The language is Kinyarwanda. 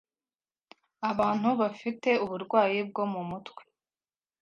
abantu bafite uburwayi bwo mu mutwe